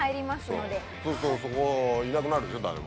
そうするとそこいなくなるでしょ誰も。